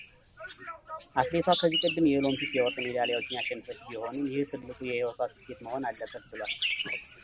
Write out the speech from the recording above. አትሌቷ ከዚህ ቀደም የኦሊምፒክ የወርቅ ሜዳሊያዎችን ያሸነፈች ቢሆንም ይህ ትልቁ የሕይወቷ ስኬት መሆን አለበት ብሏል።